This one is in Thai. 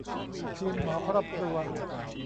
ทีมหมอครอบครัว